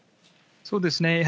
そうですね。